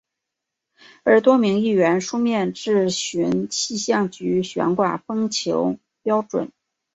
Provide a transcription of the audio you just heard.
而多名议员书面质询气象局悬挂风球标准。